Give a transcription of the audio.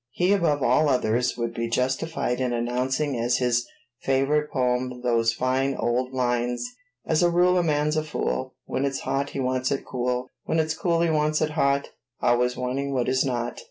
He above all others would be justified in announcing as his favorite poem those fine old lines: As a rule a man's a fool: When it's hot he wants it cool; When it's cool he wants it hot Always wanting what is not.